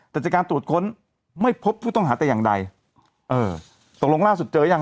แต่จากการตรวจค้นไม่พบผู้ต้องหาแต่อย่างใดเออตกลงล่าสุดเจอยัง